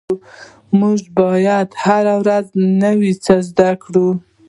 مونږ باید هره ورځ نوي څه زده کړو